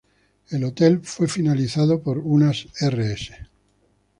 El hotel fue finalizada por unas Rs.